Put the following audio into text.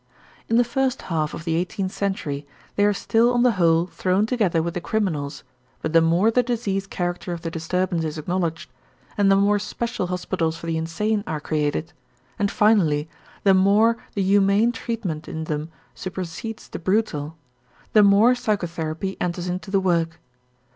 In the first half of the eighteenth century, they are still on the whole thrown together with the criminals but the more the disease character of the disturbance is acknowledged, and the more special hospitals for the insane are created, and finally the more the humane treatment in them supersedes the brutal, the more psychotherapy enters into the work.